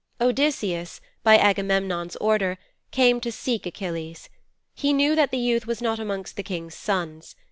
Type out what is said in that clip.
'Odysseus, by Agamemnon's order, came to seek Achilles. He knew that the youth was not amongst the King's sons.